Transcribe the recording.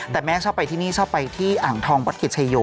แต่แม่ชอบไปที่นี่ชอบไปที่อ่างทองวัดกิจชายโย